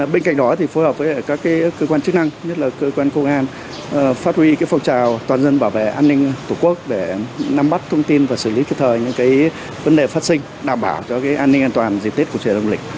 bên cạnh đó thì phối hợp với các cơ quan chức năng nhất là cơ quan công an phát huy phong trào toàn dân bảo vệ an ninh tổ quốc để nắm bắt thông tin và xử lý kịp thời những vấn đề phát sinh đảm bảo cho an ninh an toàn dịp tết của trẻ đồng lịch